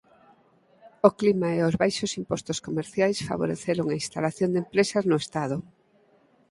O clima e os baixos impostos comerciais favoreceron a instalación de empresas no estado.